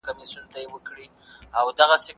سپین کورونه تور زندان ګوره چي لا څه کیږي